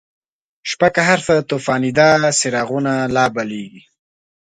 شپه که هرڅه توفانیده، څراغونه لابلیږی